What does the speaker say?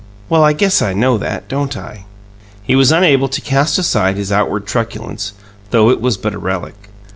"Well, I guess I know that, don't I?" He was unable to cast aside his outward truculence though it was but a relic.